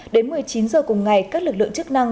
đến một mươi chín h cùng ngày các lực lượng chức năng